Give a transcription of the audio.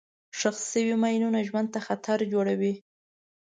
ښخ شوي ماینونه ژوند ته خطر جوړوي.